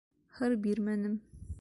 Һыр бирмәнем.